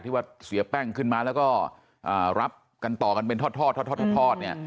ว่าเสียแป้งขึ้นมาแล้วก็รับกันต่อกันเป็นทอดเนี่ย